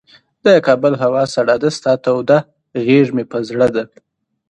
د کابل هوا سړه ده، ستا توده غیږ مه په زړه ده